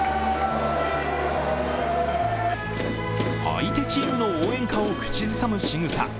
相手チームの応援歌を口ずさむしぐさ。